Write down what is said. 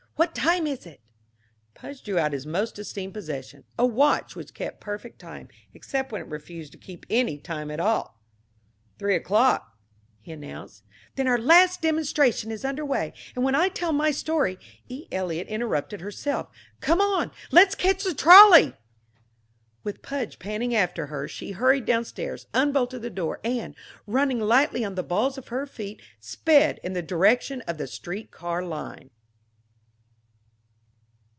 "What time is it?" Pudge drew out his most esteemed possession, a watch which kept perfect time except when it refused to keep any time at all. "Three o'clock," he announced. "Then our last demonstration is under way, and when I tell my story " E. Eliot interrupted herself. "Come on let's catch the trolley!" With Pudge panting after her, she hurried downstairs, unbolted the door, and, running lightly on the balls of her feet, sped in the direction of the street car line.